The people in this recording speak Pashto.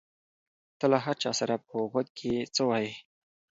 ته له هر چا سره په غوږ کې څه وایې؟